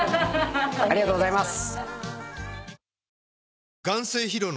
ありがとうございます。